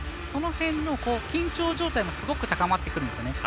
その辺の緊張状態もすごく高まってくるんですね。